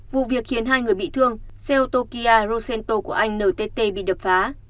vụ việc khiến hai người bị thương xe ô tô kia rosento của anh ntt bị đập phá